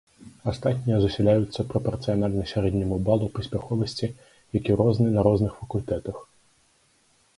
Астатнія засяляюцца прапарцыянальна сярэдняму балу паспяховасці, які розны на розных факультэтах.